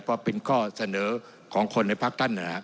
เพราะเป็นข้อเสนอของคนในภาคท่านนะครับ